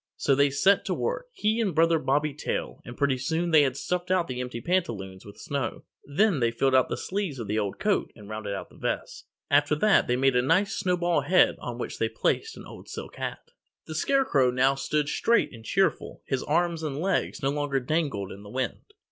So they set to work, he and Brother Bobby Tail, and pretty soon they had stuffed out the empty pantaloons with snow. Then they filled the sleeves of the old coat and rounded out the vest. After that they made a nice snowball head on which they placed the old silk hat. The Scarecrow now stood straight and cheerful. His arms and legs no longer dangled in the wind.